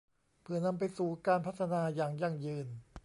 เพื่อนำไปสู่การพัฒนาอย่างยั่งยืน